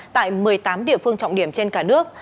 tại một mươi tám địa phương trọng điểm trên cả nước